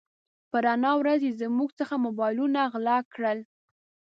په رڼا ورځ يې زموږ څخه موبایلونه غلا کړل.